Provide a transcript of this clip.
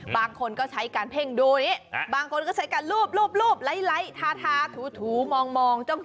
บางคนก็ใช้การเพ่งดูบางคนก็ใช้การลูบไล่ทาถูมองจ้อง